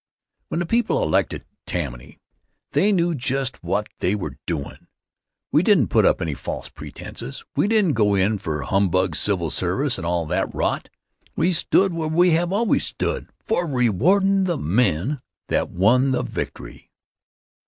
When the people elected Tammany, they knew just what they were doin'. We didn't put up any false pretenses. We didn't go in for humbug civil service and all that rot. We stood as we have always stood, for reward in' the men that won the victory.